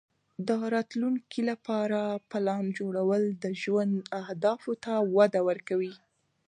د راتلونکې لپاره پلان جوړول د ژوند اهدافو ته وده ورکوي.